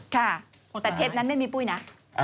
ค่ะแต่เทปนั้นไม่มีปุ้ยนะ